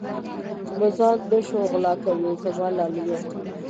مږان نه شو غلا کوې زما لالیه.